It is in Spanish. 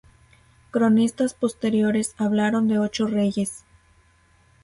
Cronistas posteriores hablaron de ocho reyes.